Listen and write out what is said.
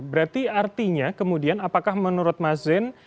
berarti artinya kemudian apakah menurut mazin